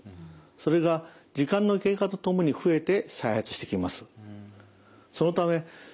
それが時間の経過とともに増えて再発してきます。